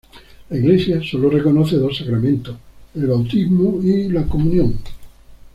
La iglesia sólo reconoce dos sacramentos: el bautismo y la comunión.